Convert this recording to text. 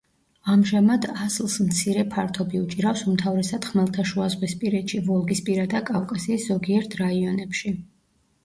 ამჟამად ასლს მცირე ფართობი უჭირავს უმთავრესად ხმელთაშუაზღვისპირეთში, ვოლგისპირა და კავკასიის ზოგიერთ რაიონებში.